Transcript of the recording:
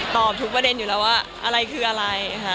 ทุกประเด็นอยู่แล้วว่าอะไรคืออะไรค่ะ